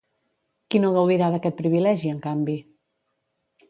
Qui no gaudirà d'aquest privilegi, en canvi?